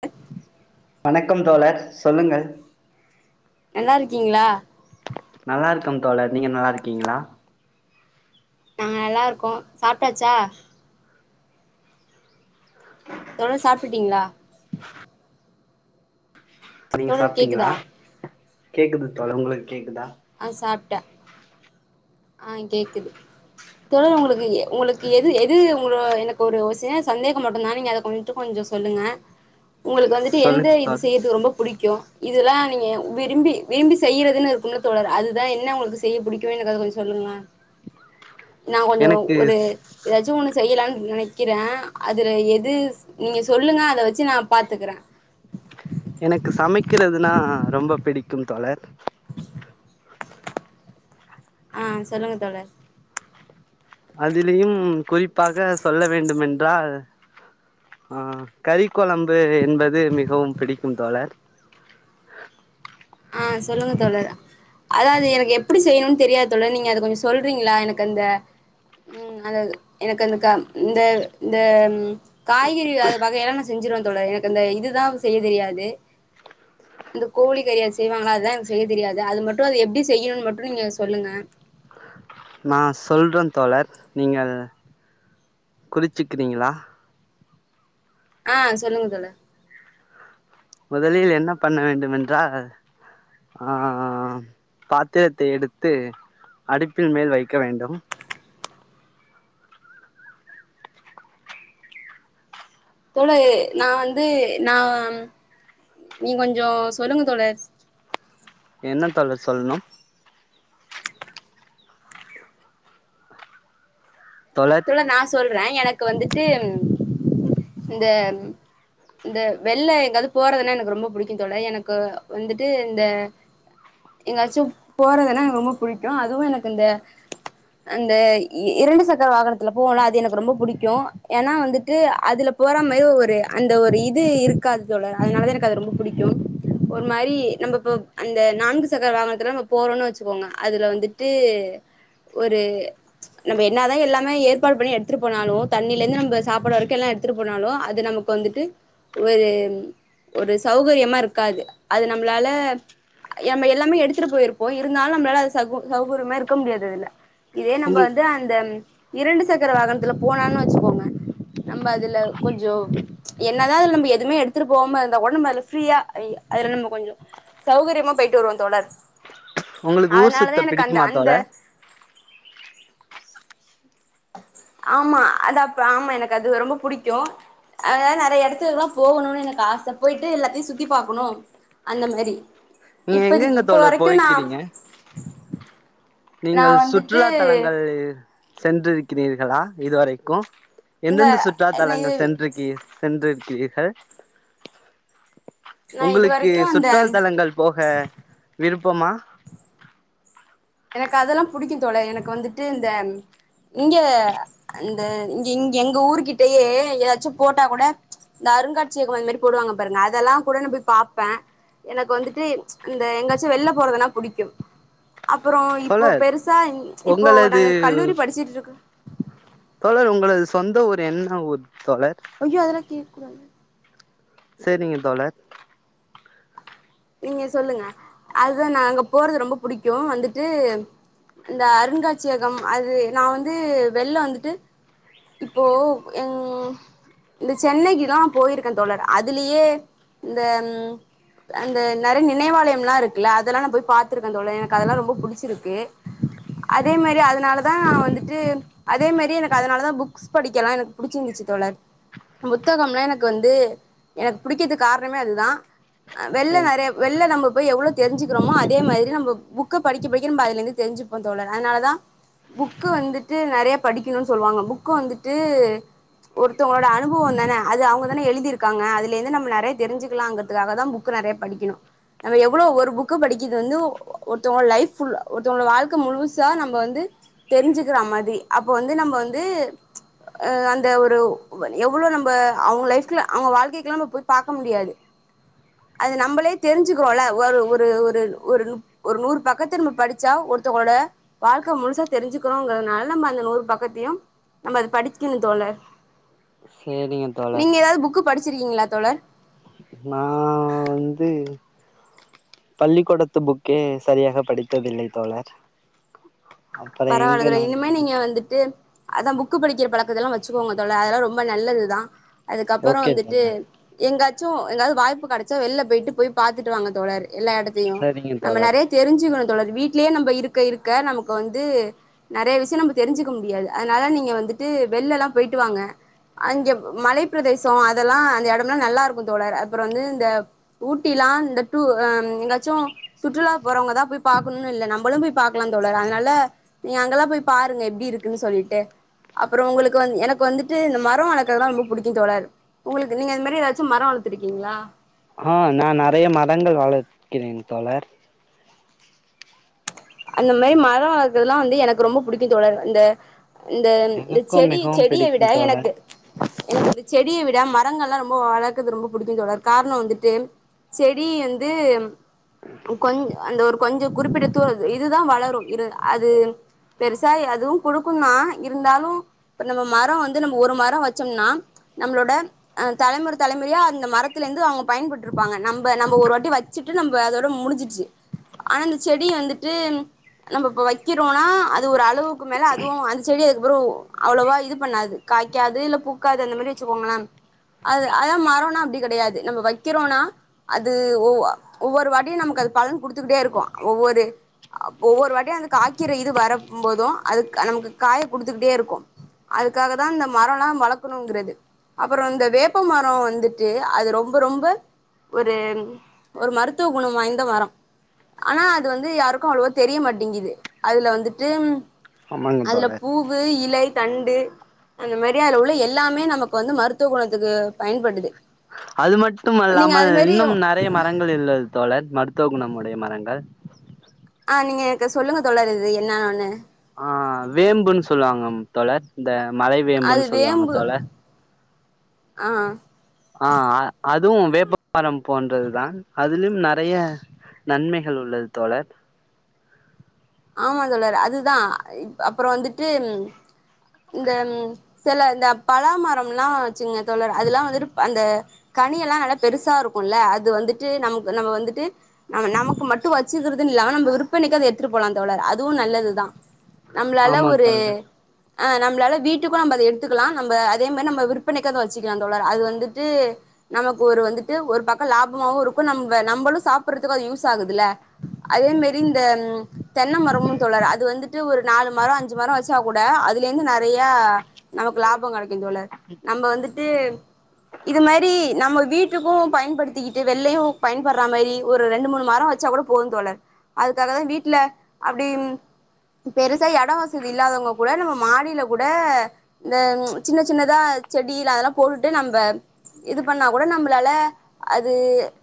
ப வணக்கம் தோழர் சொல்லுங்க நல்லாருக்கீங்களா நல்லா இருக்கும் தோழர் நீங்க நல்லா இருக்கீங்களா நாங்க நல்லா இருக்கோம் சாப்பிட்டாச்சா தோழர் சாப் அப்புடீங்களா நீங்க சாப்பிட்டீங்களா கேக்குதா கேக்குது தோழர் உங்களுக்கு கேக்குதா ஆஹ் சாப்பிட்டேன் ஆஹ் கேக்குது தோழர் உங்களுக்கு உங்களுக்கு எது எது உங்க எனக்கு ஒரு சின்ன சந்தேகம் மட்டும்தானே நீங்க அத கொஞ்சம் கொஞ்சம் சொல்லுங்க உங்களுக்கு வந்துட்டு எந்த சொல்லுங்க இது தோழர் செய்யறது ரொம்ப பிடிக்கும் இதெல்லாம் நீங்க விரும்பி விரும்பி செய்யறிறதுன்னுன்ன தோழர் அதுதான் என்ன உங்களுக்கு செய்ய பிடிக்கும் என கொஞ்சம் சொல்லுங்கங்கள் நான் கொஞ்சம் எனக்கு ஒரு ஏதாச்சும் ஒனு செய்யலாம்னு நினைக்கிறேன் அதுல எது நீங்க சொல்லுங்க அத வச்சு நான் பார்த்துக்கறேன் எனக்கு சமைக்கிறதுனா ரொம்ப பிடிக்கும் தோழர் ஆஹ் சொல்லுங்க தோழர் அதிலியும் குறிப்பாக சொல்ல வேண்டும் என்றால் ஆஹ் கறிக்குழம்பு என்பது மிகவும் பிடிக்கும் தோழர் ஆஹ் சொல்லுங்க தோழர் அதான் அது எனக்கு எப்படி செய்யணும்னு தெரியாது தோழர் நீங்க அது கொஞ்சம் சொல்றீங்களா எனக்கு அந்த உம் அ எனக்கு அந்த இந்த இந்த காய்கறி அது வகையெல்லாம் நான் செஞ்சிருவேன் தோழர் எனக்கு அந்த இதுதான் செய்ய தெரியாது இந்த கோழிக்கறி செய்வாங்களா அததான் எனங்கு செய்ய தெரியாது அது மட்டும் அதது எப்படி செய்யணும்னு மட்டும் நீங்க சொல்லுங்க நான் சொல்றேன் தோழர் நீங்கள் குறிச்சுக்கிறீங்களா ஆஹ் சொல்லுங்க தோழர் முதலில் என்ன பண்ண வேண்டும் என்றால் ஆஹ் பாத்திரத்தை எடுத்து அடுப்பில் மேல் வைக்க வேண்டும் தோழர் நான் வந்து நான் நீ கொஞ்சம் சொல்லுங்க தோழர் என்ன தோழர் சொல்லணும் தோழர் நான் சொல்றேன் எனக்கு வந்துட்டு இந்த இந்த வெள்ளை எங்காவது போறதுன்னா எனக்கு ரொம்ப பிடிக்கும் தோழர் எனக்கு வந்துட்டு இந்த எங்காச்சும் போறதுன்னா எனக்கு ரொம்ப பிடிக்கும் அதுவும் எனக்கு இந்த அந்த இரண்டு சக்கர சக்கர வாகனத்துல போல அது எனக்கு ரொம்ப பிடிக்கும் ஏன்னா வந்துட்டு அதுல போற மாரி ஒரு அந்த ஒரு இது இருக்காது அதனாலதான் எனக்கு அது ரொம்ப படிக்கும் ஒரு மாரி நம்ம அந்த நான்கு சக்கர வாகனத்து ந போறோம்ன்னு வச்சுக்கோங்க அதுல வந்துட்டு ஒரு நம்ம என்ன தான் எல்லாமே ஏற்பாடு பண்ணி எடுத்துட்டு போனாலும் தண்ணியில இருந்து நம்ம சாப்பிடற வரைக்கும் எல்லாம் எடுத்துட்டு போனாலும் அது நமக்கு வந்துட்டு ஒரு ஒரு சௌகரியமா இருக்காது அது நம்மளால நம்ம எல்லாமே எடுத்துட்டு போயிருப்போம் இருந்தாலும் நம்மளால சௌகரியமா இருக்க முடியாதல்ல இதே நம்ம உங்கள் வந்து அந்த இரண்டு சக்கர வாகனத்துல போனான்னு வச்சுக்கோங்க நம்ம அதுல கொஞ்சம் என்னதான் அது நம்ம எதுவுமே எடுத்துட்டு போவாம இருந்தா கூட நம்ம அது ஃப்ரீயா அதுல நம்ம கொஞ்சம் சௌகரியமா போயிட்டு வருவோம் தோழர் உங்களுக்கு ஊர் அதனாலதா சுத்த எனக்கு அந்த பிடிக்ககுமா அந்த தோழர் ஆமா அதா அப்ப ஆமா எனக்கு அது ரொம்ப பிடிக்கும் அதுனால நிறைய இடத்துலக்கல்லாம் போகணும்னு எனக்கு ஆசை போயிட்டு எல்லாத்தையும் சுத்தி பாார்கக்கணும் அந்த மாரி நீங்க இப்பதிக்கு எங்கெங்க இப்ப தோழர் வரைக்கு நா போய்கிக்கிறீங்க நா நீங்கள் வந்துட்டு சுற்றுலா தலங்கள் சென்றிருக்க இருக்கிறீர்களா இதுவரைக்கும் இந்த எந்தெந்த சுற்றுலா நா இது தலங்கள் சென்றிருக்குகிய சென்று ஏ கே [unintelligible] நா இது உங்களுக்கு வரைக்கு சுற்றுலா அந்த தலங்கள் போக விருப் பமா எனக்கு அதெல்லாம் புடிக்கும் தோழர் எனக்கு வந்துட்டு இந்த இங்க அ இங்க எங்க ஊரு கிட்டயே ஏதாச்சும் போட்டா கூட இந்த அருங்காட்சியகம் அந்த மாதிரி போடுவாங்க பாருங்க அதெல்லாம் கூட நான் போய் பாப்பேன் எனக்கு வந்துட்டு இந்த எங்காச்சும் வெளில போறதுன்னா புடிக்கும் அப்புறம் இப்போ தோழர் பெருசா இப்போ உங்களது நாங்க கல்லூரி படிச்சுட்டு இருக்கோம் தோழர் உங்களது சொந்த ஊர் என்ன ஊர் தோழர் அய்யோ அதலாம் கே க்க [unintelligible] சேரிங்க தோழர் நீங்க சொல்லுங்க அதுதான் நான் அங்க போறது ரொம்ப புடிக்கும் வந்துட்டு இந்த அருங்காட்சியகம் அது நான் வந்து வெளில வந்துட்டு இப்போ உம் இந்த சென்னைக்கு எல்லாம் போயிருக்கேன் தோழர் அதுலயே இந்த அந்த நறைய நினைவாலயம் எல்லாம் இருக்குல்ல அதெல்லாம் நான் போய் பார்த்திருக்கேன் தோழர் எனக்கு அதெல்லாம் ரொம்ப புடிச்சிருக்கு அதே மாரி அதனாலதான் நான் வந்துட்டு அதே மாரி எனக்கு அதனாலதான் புக்ஸ் படிக்கலாம் எனக்கு புடிச்சிருந்துச்சு தோழர் புத்தகம் எல்லாம் எனக்கு வந்து எனக்கு புடிக்கிறதுக்கு காரணமே அதுதான் வெளில சேரிங்க நறைய வெளில தோழர் நம்ம போய் எவ்வளோ தெரிஞ்சுக்கிறோமோ அதே மாதிரி நம்ம புக்கை படிக்க படிக்க நம்ம அதுல இருந்து தெரிஞ்சுப்போம் தோழர் அதனாலதான் புக் வந்துட்டு நறைய படிக்கணும்னு சொல்லுவாங்க புக்க வந்துட்டு ஒருத்தவங்களோட அனுபவம் தானே அது அவுங்க தானே எழுதிருக்காங்க அதுல இருந்து நம்ம நிறைய தெரிஞ்சுக்கலாங்கிறதுக்காக தான் புக் புக்கு நறையா படிக்கனும் எவ்ளோ ஒரு புக் படிக்கது வந்து ஒருத்தவங்க லைஃப் ஃபுல் ஒருத்தவ வாழ்க்கை முழுசா நம்ம வந்து தெரிஞ்சுக்கிற மாதிரி அப்ப வந்து நம்ம வந்து அந்த ஒரு எவ்ளோ நம்ம அவுங்க லைஃப்ல அவுங்க வாழ்க்கைக்குல்ல நம்ம போய் பார்க்க முடியாது அது நம்மளே தெரிஞ்சுக்குவோம்ல ஒரு ஒரு ஒரு நூறு பக்கத்துக்கு நம்ம படிச்சா ஒருத்தங்களோட வாழ்க்கை முழுசா தெரிஞ்சுக்கணோங்கிறதுனால நம்ம அந்த நூறு பக்கத்தையும் நம்ம அது படிக்கணும் தோழர் சேரிங்க தோழர் சிருக்கீங்களா தோழர் நான் வந்து பள்ளிக்கூடத்து புக்கே சரியாக படித்ததில்லை தோழர் அப்புற பரவாயில எங்க தோழர் நான் இனிமேல் நீங்க வந்துட்டு அதான் புக் படிக்கிற பழக்கத்த எல்லாம் வச் சுக்கோங்க தோழர் அதெல்லாம் ரொம்ப நல்லதுதான் அதுக்கப்பறம் ஓகே வந்துட்டு தோழர் எங்கா ச்சும் ஏதாவது வாய்ப்பு கடைச்சா வெயில போயிட்டு போய் பாத்துட்டு வாங்க தோழர் எல்லா இடத்தையும் சரிங்க நம்ம தோழர் நறைய தெரிஞ்சுக்கணும் தோழர் வீட்டிலேயே நம்ம இருக்க இருக்க நமக்கு வந் து நறைய விஷயம் நம்ம தெரிஞ்சுக்க முடியாது அதனால நீங்க வந்துட்டு வெளில எல்லாம் போயிட்டு வாங்க அங்க மலை பிரதேசம் அதெல்லாம் அந்த இடம்லாம் நல்லா இருக்கும் தோழர் அப்புறம் வந்து இந்த ஊட்டிலாம் இந்த எங்காச்சும் சுற்றுலா போறவங்க தான் போய் பாக்கனுல்ல நம்மளும் போய் பார்கக்கலாம் தோழர் அதனால நீ அங்கெல்லாம் போய் பாருங்க எப்படி இருக்குன்னு சொல்லிட்டு அப்புறம் உங்களுக்கு வந்து எனக்கு வந்துட்டு இந்த மரம் வளர்க்கறதான் ரொம்ப பிடிக்கும் தோழர் உங்களுக்கு நீங்க அந்த மாரி ஏதாச்சும் மரம் வளர்த்துருக்கீங்களா ஆஹ் நான் நறைய மரங்கள் வளர்க்கிறேன் தோழர் அந்த மாரி மரம் வளர்க்கறதுல்லாம் வந்து எனக்கு ரொம்ப பிடிக்கும் தோழர் இந்த இந்த இந்த எனக்கும் செடி மிகவும் செடியை விட பிடிக்கும் தோழர் எனக்கு எனக்கு இந்த செடியை விட மர மரங்கள் எல்லாம் ரொம்ப வளர்க்குறது ரொம்ப பிடிக்கும் தோழர் காரணம் வந்துட்டு செடி வந்து கொஞ்ச அந்த ஒரு கொஞ்சம் குறிப்பிடுத்துது இதுதான் வளரும் அது பெருசா அதுவும் கொடுக்கும்னா இருந்தாலும் இப்ப நம்ம மரம் வந்து நம்ம ஒரு மரம் வச்சோம்னா நம்மளோட அஹ் தலைமுறை தலைமுறையா அந்த மரத்துல இருந்து அவங்க பயன்பட்டுருப்பாங்க நம்ம நம்ம ஒரு வாட்டி வச்சுட்டு நம்ம அதோட முடிஞ்சுச்சு ஆனா அந்த செடி வந்து ட்டு நம்ம இப்ப வைக்கிறோம்னா அது ஒரு அளவுக்கு மேல அதுவும் அந்த செடி அதுக்கப்புறம் அவ்வளவா இது பண்ணாது காய்க்காது இல்ல பூக்காது அந்த மாதிரி வச்சுக்கோங்களேன் அது அதான் மரோம்னா அப்படி கிடையாது நம்ம வைக்கிறோம்னா அது ஒ ஒவ்வொரு வாட்டியும் நமக்கு அது பலன் கொடுத்துக்கிட்டே இருக்கும் ஒவ்வொரு ஒவ்வொரு வாட்டையும் அந்த காய்கிற இது வர போதும் அது நமக்கு காய குடுத்துக்கிட்டே இருக்கும் அதுக்காக தான் அந்த மரம்லாம் வளர்க்கணுங்கிறது அப்புறம் இந்த வேப்ப மரம் வந்துட்டு அது ரொம்ப ரொம்ப ஒரு ஒரு மருத்துவ குணம் வாய்ந்த மரம் ஆனா அது வந்து யாருக் கும் அவ்வளவா தெரிய மாட்டேங்குது அதுல வந்துட்டு ஆமாங்க அதுல தோழர் பூவு இலை தண்டு அந்த மாரி உள்ள எல்லாமே நமக்கு வந்து மருத்துவ குணத்துக்கு பயன்படுது அது மட்டும் நீங்க அல்லாமல் அது மாதிரி இன்னும் நறைய மரங்கள் இள்ளது தோழர் ம த்தோக்கு நம்முடைய மரங்கள் ஆஹ் நீங்க எனக்கு சொல்லுங்க தோழர் என்னனன்னு ஆஹ் வேம்புன்னு சொல்லுவாங்க தோழர் இந்த மலை வேம்புன்னு சொல்லுவாங்க தோழர் ஆஹ் ஆஹ் அ அத் அதுவும் வேப்பகாரம் போன்றது தான் அதுலயும் நறைய நன்மைகள் உள்ளது தோழர் ஆமா தோழர் அதுதான் அப்புறம் வந்துட்டு இந்த ம் சில இந்த பலாமரம்லாம் இருச்சுங்க தோழர் அதெல்லாம் வந்துட்டு அந்த கனிய எல்லாம் நல்லா பெருசா இருக்கும்ல்ல அது வந்துட்டு நமக்கு நம்ம வந்துட்டு நம நமக்கு மட்டும் வச்சுக்கறதுன்னு இல்லாம நம்ம விற்பனைக்கு அத எடுத்து போலாம் தோழர் அதுவும் நல்லதுதான் நம்மளால ஆமா ஒரு தோழர் ஆஹ் நம்மளால வீட்டுக்கும் நம்ம அத எடுத்துக்கலாம் நம்ம அதே மாரி நம்ம விற்பனைக்கோ அத வச்சுக்கலாம் தோழர் அது வந்துட்டு நமக்கு ஒரு வந்துட்டு ஒரு பக்கம் லாபமாவும் இருக்கும் நம்ம நம்மளும் சாப்படுறதுக்கும் அது யூஸ் ஆகுதுல அதே மேரி இந்த தென்ன மரமும் தோழர் அது வந்துட்டு ஒரு நாலு மரம் அஞ்சு மரம் வச்சா கூட அதுல இருந்து ந றைய நமக்கு லாபம் கிடைக்கும் தோழர் நம்ம வந்துட்டு இது மாரி நம்ம வீட்டுக்கும் பயன்படுத்திக்கிட்டு வெள்ளையும் பயன்படுற மாரி ஒரு ரெண்டு மூணு மரம் வச்சா கூட போதும் தோழர் அதுக்காக தான் வீட்டுல அப்படி பெருசா இடம் வசதி இல்லாதவங்க கூட நம்ம மாடியில கூட இந்த சின்ன சின்னதா செடியில அதெல்லாம் போட்டுட்டு நம்ம இது பண்ணா கூட நம்மளால அது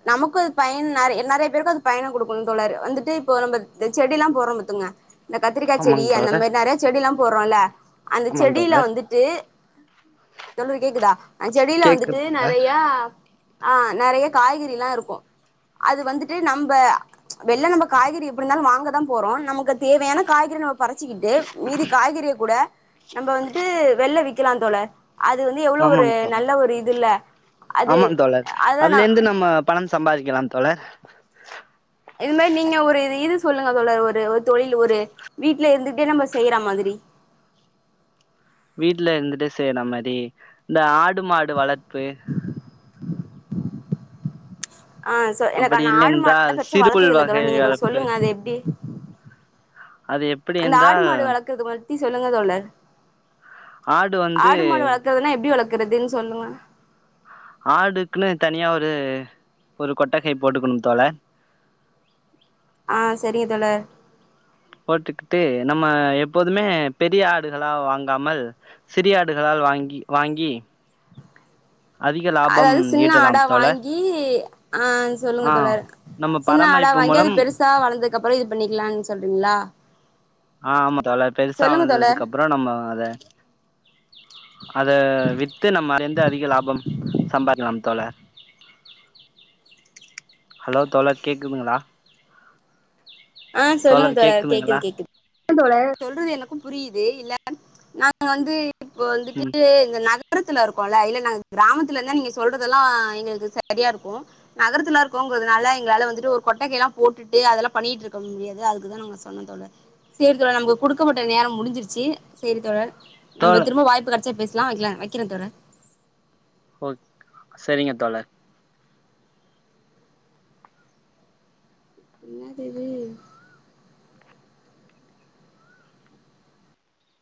நமக்கும் அது பயன் நறைய நறைய பேருக்கும் அது பயணம் குடுக்கணும்னு தோழர் வந்துட்டு இப்போ நம்ம செடிலாம் புறம்பத்துங்க இந்த கத்திரிக்கா செடி ஆமாங்க அந்த தோழர் மரி நிறைய செடி எல்லாம் போறோம்ல அந்த ஆமாந் செடியில தோழர் வந்துட்டு தோழர் கேக்குதா அந்த செடியில வந்துட்டு கேக்குது தோழர் நறைய ஆஹ் நிறைய காய்கறி எல்லாம் இருக்கும் அது வந்துட்டு நம்ம வெளில நம்ம காய்கறி எப்படி இருந்தாலும் வாங்கதான் போறோம் நமக்கு அதுக் தேவையான காய்கறி நம்ம பறைச்சிக்கிட்டு மீதி காய்கறிய கூட நம்ம வந்துட்டு வெள்ளை வி க்கலாம் தோழர் அது வந்து எவ்வளவு ஒரு ஆமாங் தோழர் நல்ல ஒரு இதுல்ல அது அதுதான் நான் சம்பாரிக்கலாம் தோழர் இது மாரி நீங்க ஒரு இதி இது சொல்லுங்க தோழர் ஒரு தொழில் ஒரு வீட்டுல இருந்துட்டே நம்ம செய்யாற மாதிரி வீட்டுல இருந்துட்டு செய்ற மாரி இந்த ஆடு மாடு வளர்ப்பு ஆஹ் சோ எனக்கு அப்படி அந்த இல்லை ஆடு என்றால் மாடு பெருசா சிறுபுல் வளர்த்தது இல்ல வகை தோழர் நீங்க கொஞ்சம் வளர்ப்பு சொல்லுங்க அது எப்படி அது எப்படி அந்த ஆடு என்றால் மாடு வளக்கறது பத் தி சொல்லுங்க தோழர் ஆடு மாடு வளக்கறதுனா எப்டி வளக் குறதுன் சொல்லுங்க ஆடுக்குனு தனியா ஒரு ஒரு கொட்டகை போட்டுக்கணு தோழர் ஆ செரிங்க தோழர் போட்டுக்கிட்டு நம்ம எப்போதுமே பெரிய ஆடுகளா வாங்காமல் சிறிய ஆடுகளால் வாங்கி வாங்கி அதிக லாபம் அதாவது சின்ன ஈட்டலாம் ஆடா தோழர் வாங்கி ஆ சொல்லுங்க ஆ தோழர் நம்ம சின்ன ஆடா பராமரிப்பு வாங்கி அது மூலம் பெருசா வளந்தகப்றொ இது பண்ணிக்கலான் சொல் ங்ளா ஆ ஆமா தோழர் பெருசா வளந்ததுக்கப்றொ நம்ம அத அத வித்து நம்ம ரெண்டு அதிக லாபம் சம்பாரிக்லாம் தோழர் ஹலோ தோழர் கேக்குதுங்களா ஆ சொல்லுங்க தோழர் கேக்குது கேக்குது தோழர் சொல்றது எனக்கும் புரியிது இல்ல நாங்க வந்து இப்போ வந்துட்டு ம் இந்த நத கரத்துல இருக்கோல்ல இல்ல நாங்க கிராமத்துலந்தா நீங்க சொல்றதெல்லா எங்களுக்கு சரியா இருக்கூ நகரத்துல இருக்கோங்கிறதுனால எங்களால வந்துட்டு ஒரு கொட்டகைலா போட்டுட்டு அதல்லா பண்ணிட்ருக் க முடியாது அதுக்குதா நாங்க சொன்னொ தோழர் சேரி தோழர் நமக்கு குடுக்கப்பட்ட நேரம் முடிஞ்சிருச்சு சேரி தோழர் நம்ம தோழர் திரும்ப வாய்பு கெடச்சா பேச லா வக்லெ வக்கிறே தோழர் ஓ செரிங்க தோழர் என்ன தேவி